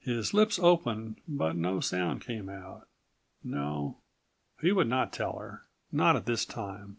His lips opened but no sound came out. No, he would not tell her, not at this time.